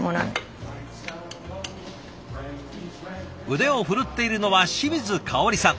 腕を振るっているのは清水かおりさん。